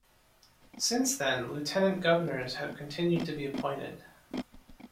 Since then Lieutenant Governors have continued to be appointed.